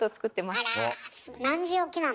あら何時起きなの？